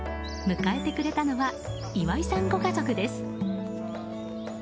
迎えてくれたのは岩井さんご家族です。